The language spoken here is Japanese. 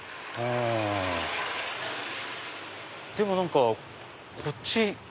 でも何かこっち。